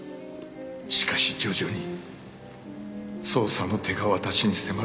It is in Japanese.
しかし徐々に捜査の手が私に迫ってきました。